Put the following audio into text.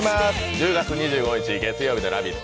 １０月２５日月曜日の「ラヴィット！」。